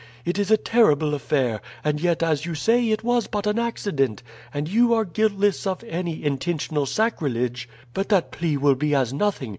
It is a terrible affair; and yet, as you say, it was but an accident, and you are guiltless of any intentional sacrilege. But that plea will be as nothing.